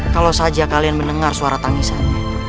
kalau saja kalian mendengar suara tangisannya